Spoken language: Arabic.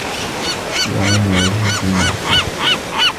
وَعُمُرِهِ فِيمَا أَفْنَاهُ